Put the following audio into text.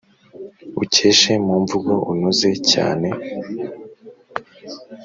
ukeshe mu mvugo unoze cyane